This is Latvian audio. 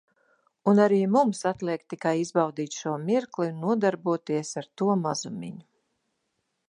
Un arī mums atliek tikai izbaudīt šo mirkli un nodarboties ar to mazumiņu.